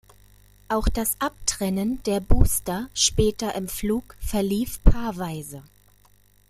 Auch das Abtrennen der Booster später im Flug verlief paarweise.